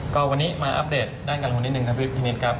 ก็วันนี้มาอัปเดตด้านการลงทุนนิดนึงครับพี่นิดครับ